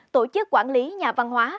tổ chức quản lý nhà văn hóa